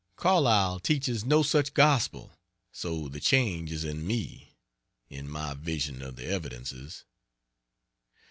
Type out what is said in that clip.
Carlyle teaches no such gospel so the change is in me in my vision of the evidences.